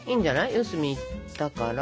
四隅いったから。